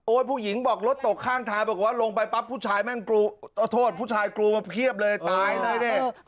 ผู้หญิงบอกรถตกข้างทางบอกว่าลงไปปั๊บผู้ชายแม่งกลัวโทษผู้ชายกรูมาเพียบเลยตายเลยเนี่ย